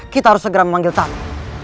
kita harus segera memanggil tanu